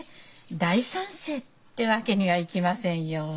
大賛成ってわけにはいきませんよ。